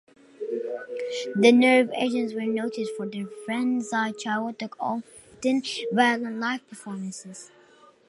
The Nerve Agents were noted for their frenzied, chaotic, often violent live performances.